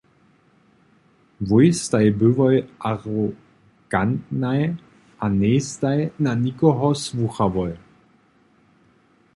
Wój staj byłoj arogantnaj a njejstaj na nikoho słuchałoj.